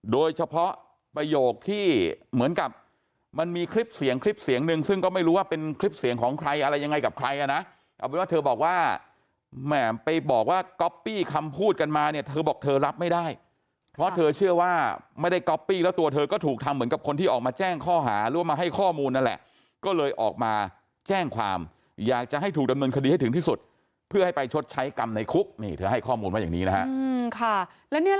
โดยเฉพาะประโยคที่เหมือนกับมันมีคลิปเสียงคลิปเสียงหนึ่งซึ่งก็ไม่รู้ว่าเป็นคลิปเสียงของใครอะไรยังไงกับใครนะเอาเป็นว่าเธอบอกว่าแหม่มไปบอกว่าก๊อปปี้คำพูดกันมาเนี่ยเธอบอกเธอรับไม่ได้เพราะเธอเชื่อว่าไม่ได้ก๊อปปี้แล้วตัวเธอก็ถูกทำเหมือนกับคนที่ออกมาแจ้งข้อหารว่ามาให้ข้อมูลนั่น